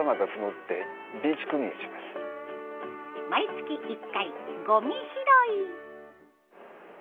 毎月１回ゴミ拾い。